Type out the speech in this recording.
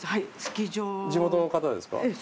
地元の方ですか？